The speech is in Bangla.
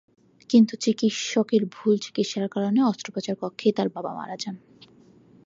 কিন্তু চিকিৎসকের ভুল চিকিৎসার কারণে অস্ত্রোপচার কক্ষেই তাঁর বাবা মারা যান।